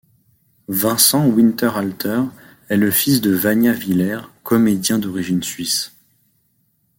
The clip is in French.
Vincent Winterhalter est le fils de Vania Vilers, comédien d'origine suisse.